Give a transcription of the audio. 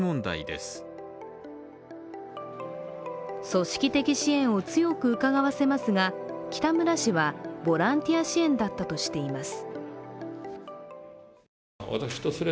組織的支援を強くうかがわせますが北村氏は、ボランティア支援だったとしています。